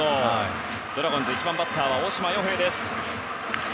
ドラゴンズ１番バッターは大島洋平です。